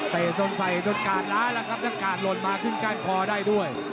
เต่ต้นไส่รถกาญหล้าแล้วครับแล้วกาญลดมาขึ้นก้านคอได้ด้วย